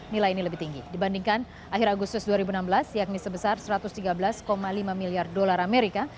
nilai ini lebih tinggi dibandingkan akhir agustus dua ribu enam belas yakni sebesar satu ratus tiga belas lima miliar dolar amerika